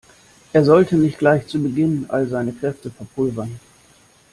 Er sollte nicht gleich zu Beginn all seine Kräfte verpulvern.